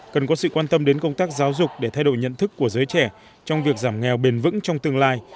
cần có sự quan tâm đến công tác giáo dục để thay đổi nhận thức của giới trẻ trong việc giảm nghèo bền vững trong tương lai